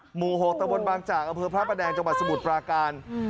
หมู่๖ตะวนบางจากกระเพือพระแดงจังหวัดสมุทรประการ